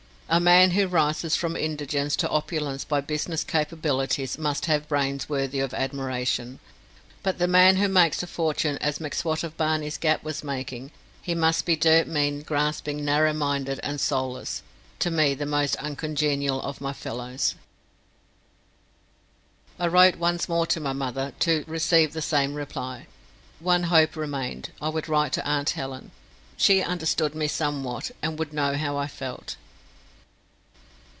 A man who rises from indigence to opulence by business capabilities must have brains worthy of admiration, but the man who makes a fortune as M'Swat of Barney's Gap was making his must be dirt mean, grasping, narrow minded, and soulless to me the most uncongenial of my fellows. I wrote once more to my mother, to receive the same reply. One hope remained. I would write to aunt Helen. She understood me somewhat, and would know how I felt.